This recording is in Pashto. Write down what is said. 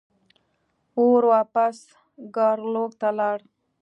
اور واپس ګارلوک ته لاړ.